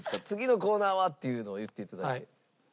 「次のコーナーは」っていうのを言っていただいて。